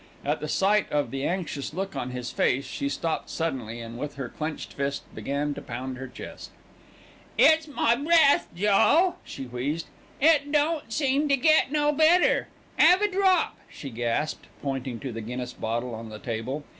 At the sight of the anxious look on his face she stopped suddenly, and with her clenched fist began to pound her chest. "It's my breath, Joe," she wheezed. "It don't seem to get no better. 'Ave a drop," she gasped, pointing to the Guinness bottle on the table.